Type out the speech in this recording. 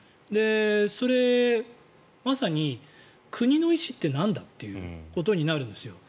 それ、まさに国の意思ってなんだということになるんです。